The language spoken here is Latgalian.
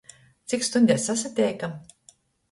Cik stuņdēs sasateikam?